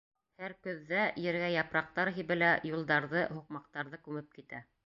Һәр көҙҙә ергә япраҡтар һибелә, юлдарҙы, һуҡмаҡтарҙы күмеп китә.